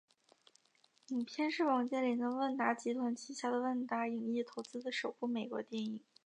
影片是王健林的万达集团旗下的万达影业投资的首部美国电影。